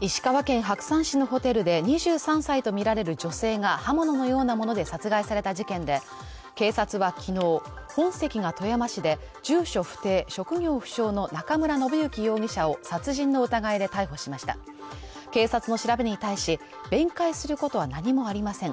石川県白山市のホテルで２３歳と見られる女性が刃物のようなもので殺害された事件で警察はきのう本籍が富山市で住所不定・職業不詳の中村信之容疑者を殺人の疑いで逮捕しました警察の調べに対し弁解することは何もありません